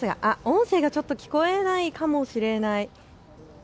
音声が聞こえないかもしれない。